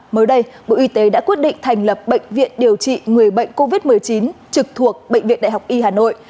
mới đây bộ y tế đã quyết định thành lập bệnh viện điều trị người bệnh covid một mươi chín trực thuộc bệnh viện đại học y hà nội